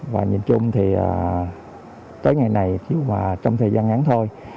và nhìn chung tới ngày này trong thời gian ngắn thôi